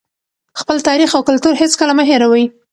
خپل تاریخ او کلتور هېڅکله مه هېروئ.